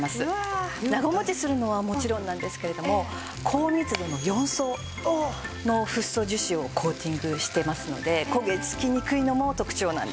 長持ちするのはもちろんなんですけれども高密度の４層のフッ素樹脂をコーティングしてますので焦げつきにくいのも特長なんです。